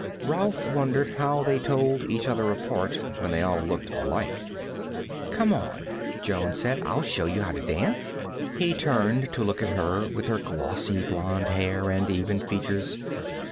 Rolf wondered how they told each other apart when they all looked alike. "Come on," Jonne said. "I'll show you how to dance." He turned to look at her, with her glossy blonde hair and even features.